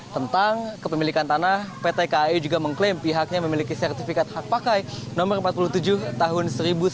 tentang kepemilikan tanah pt kai juga mengklaim pihaknya memiliki sertifikat hak pakai no empat puluh tujuh tahun seribu sembilan ratus sembilan puluh